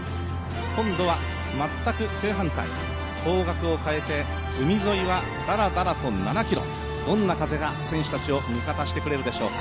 今度は全く正反対、方角を変えて海沿いはだらだらと７ｋｍ、どんな風が選手たちに味方してくれるでしょう。